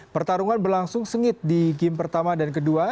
pertarungan berlangsung sengit di game pertama dan kedua